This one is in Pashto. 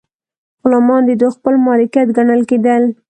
غلامان د دوی خپل مالکیت ګڼل کیدل.